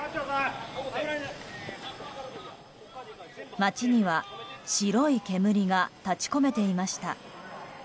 街には白い煙が立ち込めていました。